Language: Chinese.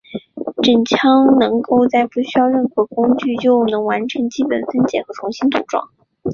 整枪能够在不需任何工具下就能完成基本分解和重新组装。